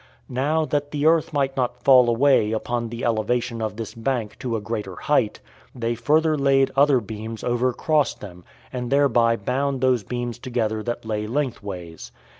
Now, that the earth might not fall away upon the elevation of this bank to a greater height, they further laid other beams over cross them, and thereby bound those beams together that lay lengthways.